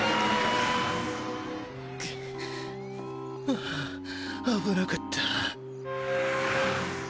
ほあぶなかった。